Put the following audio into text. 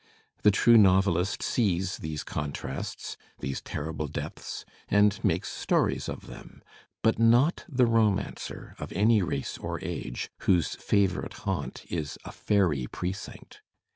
The true novelist sees these contrasts, these terrible depths, and makes stories of them, but not the romancer of any race or age whose favourite haunt is a "fairy precinct."